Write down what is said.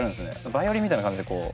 バイオリンみたいな感じでこう。